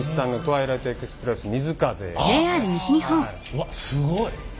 うわっすごい。